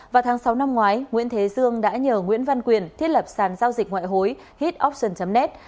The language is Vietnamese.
vào tháng sáu năm ngoái nguyễn thế dương đã nhờ nguyễn văn quyền thiết lập sàn giao dịch ngoại hối hit opson net